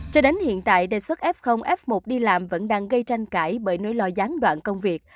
cho đến hiện tại đề xuất f f một đi làm vẫn đang gây tranh cãi bởi nỗi lo gián đoạn công việc